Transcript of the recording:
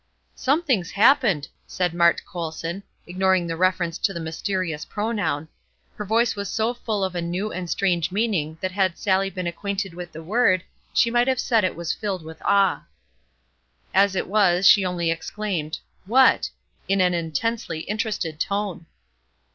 "Something's happened!" said Mart Colson, ignoring the reference to the mysterious pronoun, her voice so full of a new and strange meaning that had Sallie been acquainted with the word she might have said it was filled with awe. As it was, she only exclaimed, "What?" in an intensely interested tone.